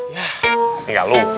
ya ini nggak lupa